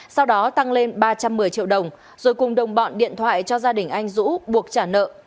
sau đó tăng lên ba trăm một mươi triệu đồng rồi cùng đồng bọn điện thoại cho gia đình anh vũ trả nợ